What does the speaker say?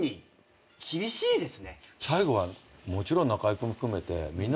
最後はもちろん中居君含めてみんな。